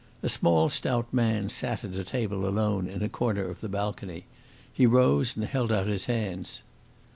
A small, stout man sat at a table alone in a corner of the balcony. He rose and held out his hands.